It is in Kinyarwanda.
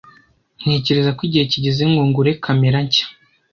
Ntekereza ko igihe kigeze ngo ngure kamera nshya.